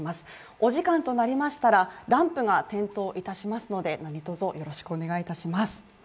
お時間となりましたら、ランプが点灯いたしますので、何とぞよろしくお願いいたします。